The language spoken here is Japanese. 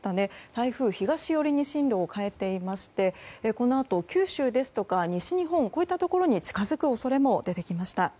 台風、東寄りに進路を変えていましてこのあと九州や西日本、こういったところに近づく恐れも出てきます。